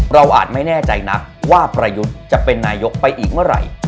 อาจไม่แน่ใจนักว่าประยุทธ์จะเป็นนายกไปอีกเมื่อไหร่